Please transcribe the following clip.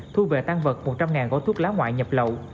thu về tăng vật một trăm linh gói thuốc lá ngoại nhập lậu